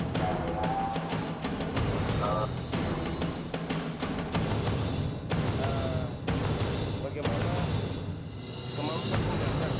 tuhan atas kemampuanmu tuhan